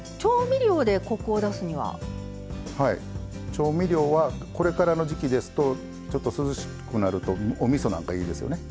調味料はこれからの時季ですとちょっと涼しくなるとおみそなんかいいですよね。